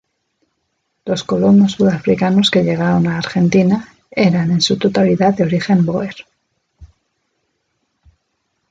Los colonos sudafricanos que llegaron a Argentina, eran en su totalidad de origen bóer.